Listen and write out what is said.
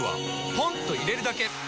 ポンと入れるだけ！